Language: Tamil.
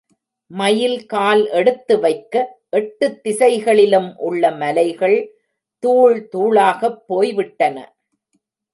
மயில் கால் எடுத்து வைக்க, எட்டுத் திசைகளிலும் உள்ள மலைகள் தூள் தூளாகப் போய்விட்டன.